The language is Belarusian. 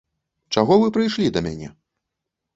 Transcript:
Чаго вы прыйшлі да мяне?